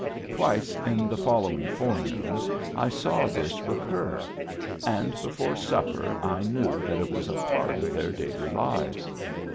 Twice in the following forenoon I saw this recur; and before supper I knew that it was a part of their daily lives.